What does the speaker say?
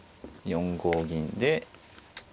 ４五銀で。